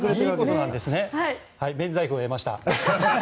はい、免罪符を得ました。